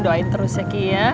doain terus ya ki